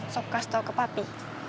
sobkas tau ke papi